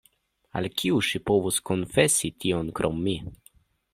Al kiu ŝi povus konfesi tion krom mi?